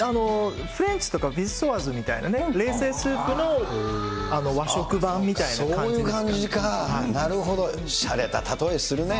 フレンチとか、ビシソワーズみたいなね、冷製スープの和食版みたいな感じですね。